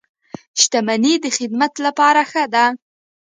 • شتمني د خدمت لپاره ښه ده.